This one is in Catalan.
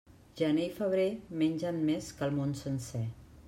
Gener i febrer mengen més que el món sencer.